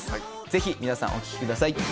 ぜひ皆さんお聴きください。